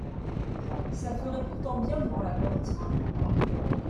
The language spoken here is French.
Ca ferait pourtant bien devant la porte.